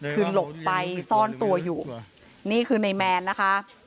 คือหลบไปซ่อนตัวอยู่นี่คือในแมนนะคะ